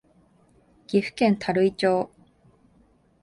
岐阜県垂井町